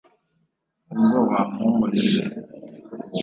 ubwo wampumurije